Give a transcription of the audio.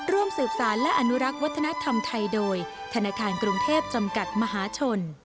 ร่วมสืบสารและอนุรักษ์วัฒนธรรมไทยโดยธนาคารกรุงเทพจำกัดมหาชน